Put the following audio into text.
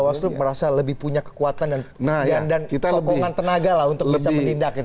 jadi bawasro merasa lebih punya kekuatan dan sokongan tenaga lah untuk bisa menindak